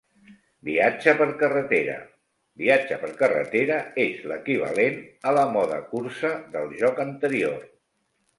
Viatge per carretera: "Viatge per carretera" és l'equivalent a la "Mode cursa" del joc anterior.